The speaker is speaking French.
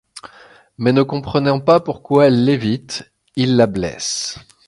Mais ne comprenant pas pourquoi elle l'évite, il la blesse.